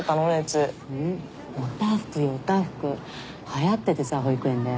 はやっててさ保育園で。